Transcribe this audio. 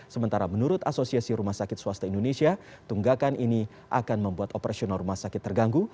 sementara menurut asosiasi rumah sakit swasta indonesia tunggakan ini akan membuat operasional rumah sakit terganggu